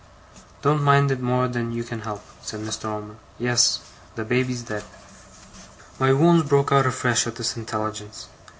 'Don't mind it more than you can help,' said Mr. Omer. 'Yes. The baby's dead.' My wounds broke out afresh at this intelligence.